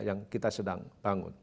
yang kita sedang bangun